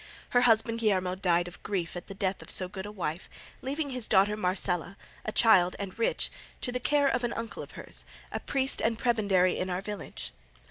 Her husband Guillermo died of grief at the death of so good a wife, leaving his daughter Marcela, a child and rich, to the care of an uncle of hers, a priest and prebendary in our village.